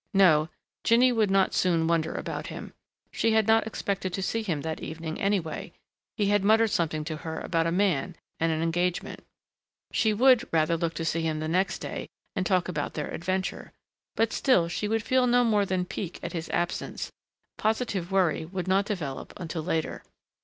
No, Jinny would not soon wonder about him. She had not expected to see him that evening, anyway he had muttered something to her about a man and an engagement. She would rather look to see him the next day and talk about their adventure.... But still she would feel no more than pique at his absence; positive worry would not develop until later.